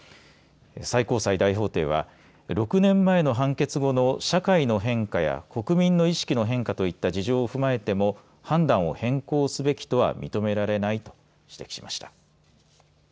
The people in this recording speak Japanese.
最高裁大法廷は６年前の判決後の社会の変化や国民の意識の変化といった事情を踏まえても判断を変更すべきとは認められないと指摘しました。